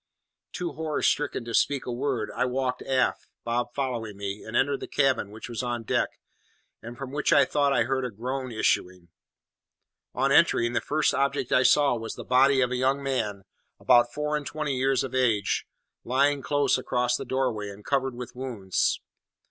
Too horror stricken to speak a word, I walked aft, Bob following me, and entered the cabin, which was on deck, and from which I thought I heard a groan issuing. On entering, the first object I saw was the body of a young man, about four and twenty years of age, lying close across the doorway, and covered with wounds.